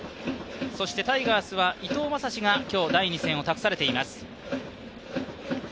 タイガースは伊藤将司が今日、第２戦を託されています。